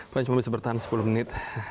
panjang bisa bertahan sepuluh menit